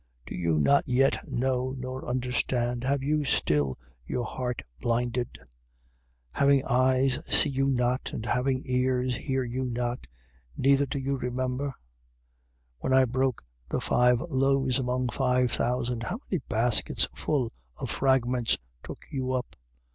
Do you not yet know nor understand? Have you still your heart blinded? 8:18. Having eyes, see you not? And having ears, hear you not? Neither do you remember? 8:19. When I broke the five loves among five thousand, how many baskets full of fragments took you up?